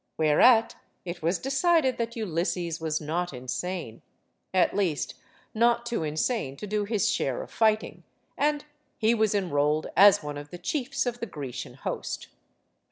Whereat, it was decided that Ulysses was not insane at least, not too insane to do his share of fighting and he was enrolled as one of the chiefs of the Grecian host.